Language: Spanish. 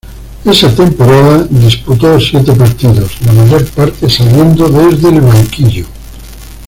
Esa temporada disputó siete partidos, la mayor parte saliendo desde el banquillo.